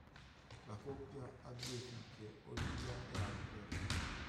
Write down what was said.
La coppia ha due figlie, Olivia e Harper.